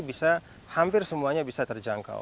bisa hampir semuanya bisa terjangkau